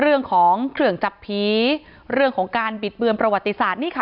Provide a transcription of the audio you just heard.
เรื่องของเครื่องจับผีเรื่องของการบิดเบือนประวัติศาสตร์นี่ค่ะ